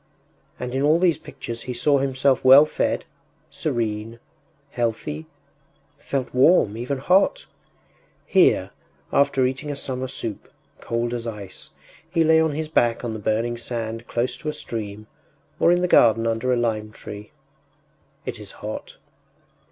And in all these pictures he saw himself well fed, serene, healthy, felt warm, even hot! Here, after eating a summer soup, cold as ice, he lay on his back on the burning sand close to a stream or in the garden under a lime tree.... It is hot....